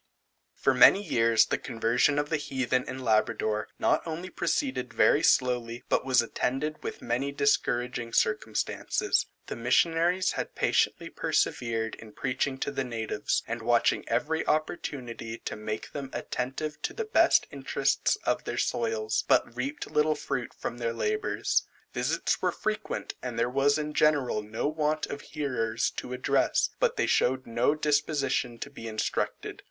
For many years the conversion of the heathen in Labrador, not only proceeded very slowly, but was attended with many discouraging circumstances. The missionaries had patiently persevered in preaching to the natives, and watching every opportunity to make them attentive to the best interests of their soils: but reaped little fruit from their labours. Visits were frequent, and there was in general no want of hearers to address, but they showed no disposition to be instructed.